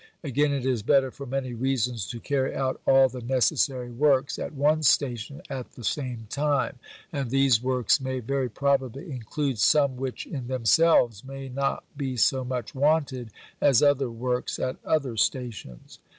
Again, it is better for many reasons to carry out all the necessary works at one station at the same time, and these works may very probably include some which in themselves may not be so much wanted as other works at other stations.